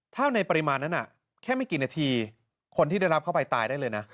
ถ้าในปริมาณนั้นแค่ไม่กี่นาทีคนที่ได้รับเข้าไปตายได้เลยนะ